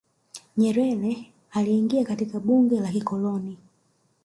nyerere aliingia katika bunge la kikoloni